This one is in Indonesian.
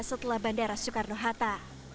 setelah bandara soekarno hatta